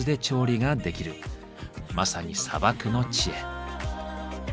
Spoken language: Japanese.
まさに砂漠の知恵。